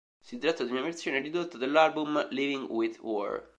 Si tratta di una versione ridotta dell'album "Living with War".